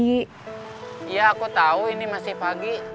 iya aku tahu ini masih pagi